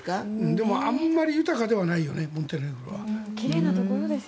でもあんまり豊かではないよねモンテネグロは。